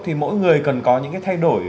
thì mỗi người cần có những cái thay đổi